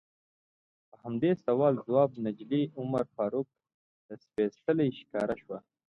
په همدې سوال ځواب نجلۍ عمر فاروق ته سپیڅلې ښکاره شوه.